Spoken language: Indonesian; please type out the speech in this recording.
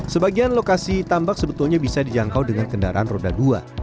sebagian lokasi tambak sebetulnya bisa dijangkau dengan kendaraan roda dua